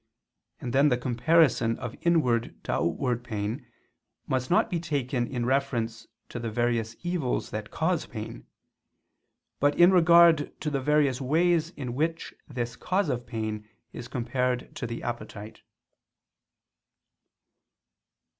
And then the comparison of inward to outward pain must not be taken in reference to the various evils that cause pain; but in regard to the various ways in which this cause of pain is compared to the appetite.